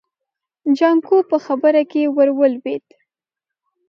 جانکو په خبره کې ور ولوېد.